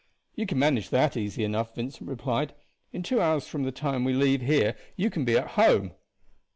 "You can manage that easy enough," Vincent replied; "in two hours from the time we leave here you can be at home."